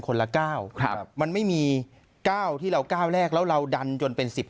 ละ๙มันไม่มี๙ที่เราก้าวแรกแล้วเราดันจนเป็น๑๐